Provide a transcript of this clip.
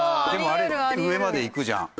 あれ上まで行くじゃん。